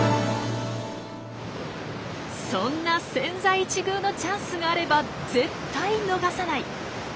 そんな千載一遇のチャンスがあれば絶対逃さない。